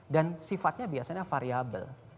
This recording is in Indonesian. dan sifatnya biasanya variabel